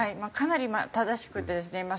かなり正しくてですね